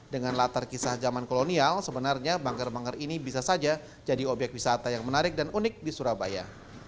dengan latar kisah zaman kolonial sebenarnya bangker bangker ini bisa saja jadi obyek wisata yang menarik dan unik di surabaya